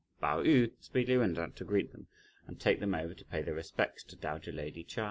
Pao yü speedily went out to greet them and to take them over to pay their respects to dowager lady Chia.